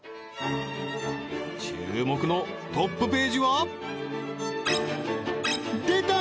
注目のトップページは出た！